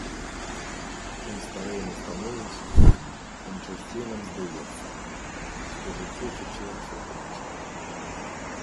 Чым старэй мы становімся, тым часцей нам здаецца, што жыццё цячэ ўсё хутчэй.